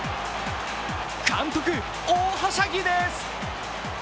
監督大はしゃぎです！